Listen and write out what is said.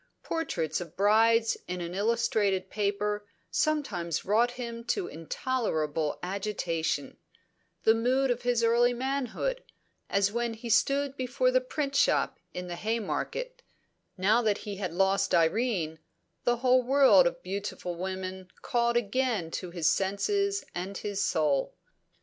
Portraits of brides in an illustrated paper sometimes wrought him to intolerable agitation the mood of his early manhood, as when he stood before the print shop in the Haymarket; now that he had lost Irene, the whole world of beautiful women called again to his senses and his soul.